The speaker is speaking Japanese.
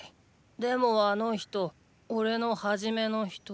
でもあの人オレのはじめの人。